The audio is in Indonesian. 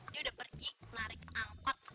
dia udah pergi narik angkot